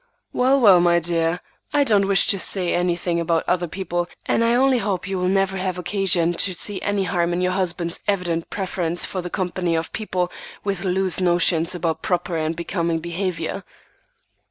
"Well, well, my dear, I don't wish to say anything about other people, and I only hope you will never have occasion to see any harm in your husband's evident preference for the company of people with loose notions about proper and becoming behavior."